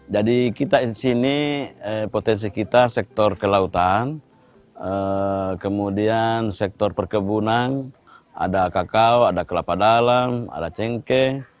jadi kita di sini potensi kita sektor kelautan kemudian sektor perkebunan ada kakao ada kelapa dalam ada cengkeh